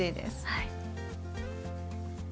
はい。